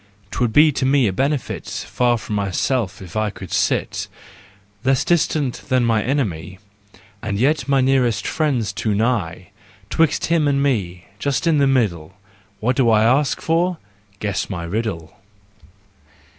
'Twould be to me a benefit Far from myself if I could sit, Less distant than my enemy, JEST, RUSE AND REVENGE 19 And yet my nearest friend's too nigh— 'Twixt him and me, just in the middle! What do I ask for? Guess my riddle!